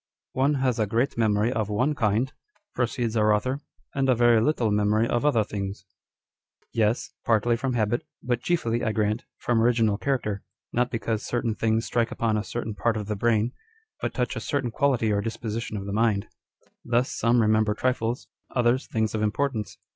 " One has a great memory of one kind," proceeds our author, " and a very little memory of other things." Yes, partly from habit, but chiefly, I grant, from original character ; not because certain things strike upon a certain part of the brain, but touch a certain quality or disposition of the mind. Thus, some remember trifles, others things of importance.